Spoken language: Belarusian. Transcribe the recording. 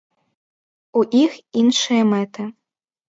У іх іншыя мэты.